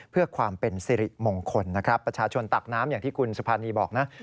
เพื่อความเป็นสิริมงคลนะครับประชาชนตักน้ำอย่างที่คุณสุภานีบอกนะ